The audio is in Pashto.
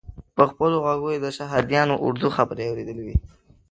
په خپلو غوږو یې د شهادیانو اردو خبرې اورېدلې وې.